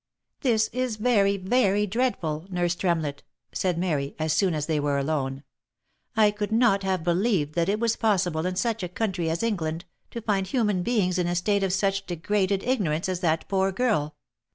" This is very, very dreadful ! nurse Tremlett," said Mary, as soon as they were alone. " I could not have believed that it was possible in such a country as England, to find human beings in a state of such degraded ignorance as that poor girl.